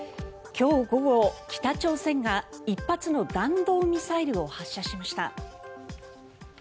今日午後、北朝鮮が１発の弾道ミサイルを発射しました。